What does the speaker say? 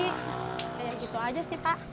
kayak gitu aja sih pak